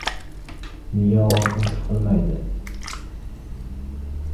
Miya og‘riqni his qilmaydi